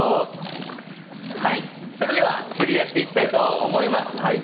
それでは振りをやっていきたいと思います。